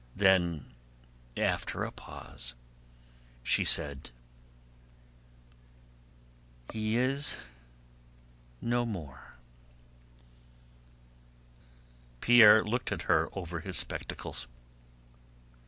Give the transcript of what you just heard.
Then after a pause she said: "He is no more...." Pierre looked at her over his spectacles.